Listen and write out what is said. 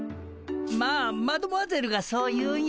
まあマドモアゼルがそう言うんやったら。